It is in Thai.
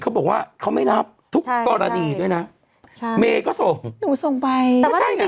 เขาบอกว่าเขาไม่รับทุกกรณีด้วยนะใช่เมย์ก็ส่งหนูส่งไปก็ใช่ไง